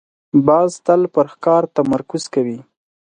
باز تل پر ښکار تمرکز کوي